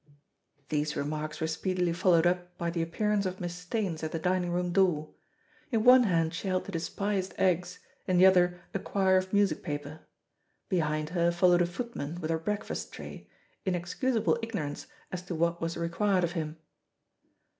These remarks were speedily followed up by the appearance of Miss Staines at the dining room door. In one hand she held the despised eggs, in the other a quire of music paper. Behind her followed a footman with her breakfast tray, in excusable ignorance as to what was required of him.